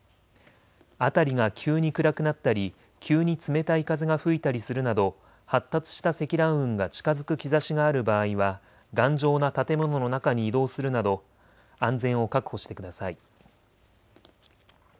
辺りが急に暗くなったり急に冷たい風が吹いたりするなど発達した積乱雲が近づく兆しがある場合は頑丈な建物の中に移動するなど安全を確保してください。